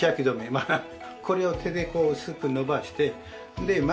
まあこれを手で薄く伸ばしてでまあ